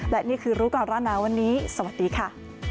และนี่คือรู้ก่อนร้อนหนาวันนี้สวัสดีค่ะ